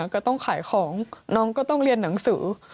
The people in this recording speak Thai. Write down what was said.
ก็ต้องขายของน้องก็ต้องเรียนหนังสือ